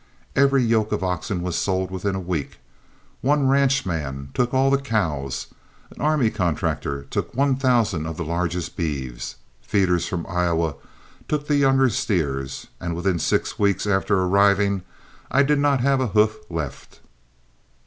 Every yoke of oxen was sold within a week, one ranchman took all the cows, an army contractor took one thousand of the largest beeves, feeders from Iowa took the younger steers, and within six weeks after arriving I did not have a hoof left.